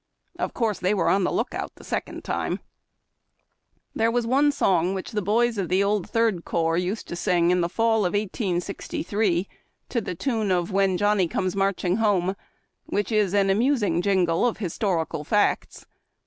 Of course they were on the lookout a second time. LIFE IN TENTS. 71 There was o]ie song which the boys of the old Third Corps used to sing in the fall of 1863, to the tune of '' When Johnny comes marching home," which is an amusing jingle of historical facts.